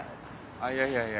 あっいやいやいや。